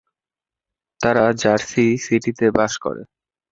তারা জার্সি সিটিতে বাস করে।